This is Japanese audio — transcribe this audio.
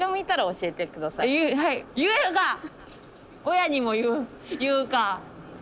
親にも言う言うか！